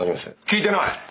聞いてない！